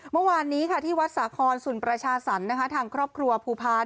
เมื่อวานนี้ที่วัดสาครสุนประชาสรรค์ทางครอบครัวภูพาล